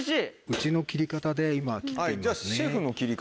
うちの切り方で今切ってみますね。